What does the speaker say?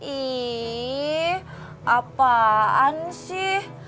ihhh apaan sih